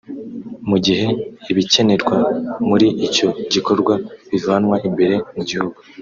mu gihe ibikenerwa muri icyo gikorwa bivanwa imbere mu gihugu